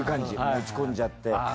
落ち込んじゃって。